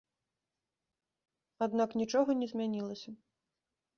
Аднак нічога не змянілася.